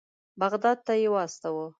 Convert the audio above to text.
بغداد ته یې واستاوه.